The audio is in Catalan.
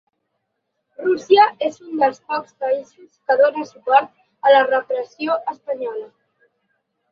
Rússia és un dels pocs països que dóna suport a la repressió espanyola.